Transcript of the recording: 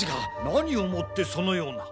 何をもってそのような。